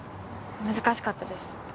難しかったです。